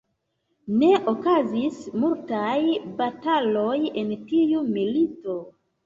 Ne okazis multaj bataloj en tiu milito.